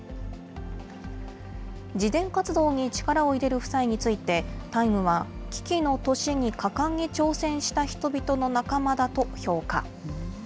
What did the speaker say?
慈善活動に力を入れる夫妻についてタイムは、危機の年に果敢に挑戦した人々の仲間だと評価。